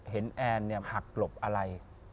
เห็นแอร์นหักหลบอะไร